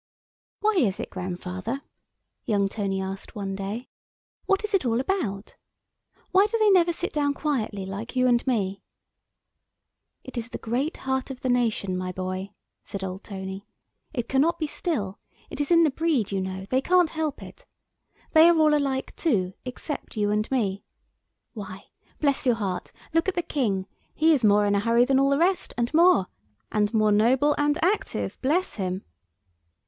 "Why is it, Grandfather?" young Tony asked one day, "what is it all about? why do they never sit down quietly like you and me?" [Illustration: THE PEOPLE OF ANTIOCH WERE ALWAYS IN A HURRY AND GENERALLY ANGRY.] "It is the great heart of the Nation, my boy," said old Tony, "it cannot be still; it is in the breed, you know, they can't help it. They are all alike too, except you and me. Why, bless your heart, look at the King, he is more in a hurry than all the rest, and more—and more noble and active, bless him."